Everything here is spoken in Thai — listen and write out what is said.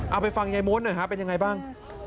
เอาไปฟังยายม้วนหน่อยฮะเป็นยังไงบ้าง